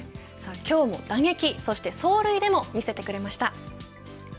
今日も打撃、そして走塁でも見せてくれました。